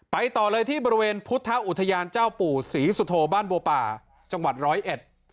ต่อเลยที่บริเวณพุทธอุทยานเจ้าปู่ศรีสุโธบ้านบัวป่าจังหวัดร้อยเอ็ด